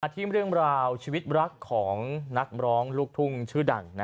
ที่เรื่องราวชีวิตรักของนักร้องลูกทุ่งชื่อดัง